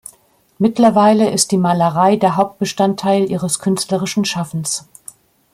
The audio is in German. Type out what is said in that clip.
Mittlerweile ist die Malerei der Hauptbestandteil ihres künstlerischen Schaffens.